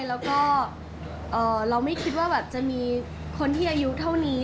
แล้วก็เราไม่คิดว่าแบบจะมีคนที่อายุเท่านี้